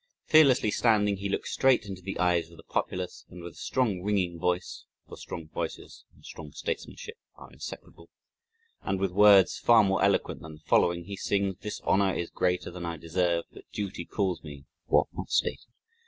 Fearlessly standing, he looks straight into the eyes of the populace and with a strong ringing voice (for strong voices and strong statesmanship are inseparable) and with words far more eloquent than the following, he sings "This honor is greater than I deserve but duty calls me (what, not stated)...